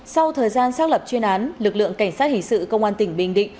sau thời gian xác lập chuyên án lực lượng cảnh sát hình sự công an tỉnh bình định